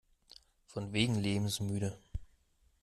Von wegen lebensmüde!